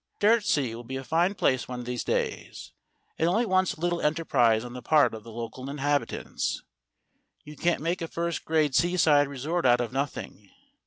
Dyrtisea will be a fine place one of these days. It only wants a little enterprise on the part of the local inhabitants. You can't make a first class seaside re sort out of nothing.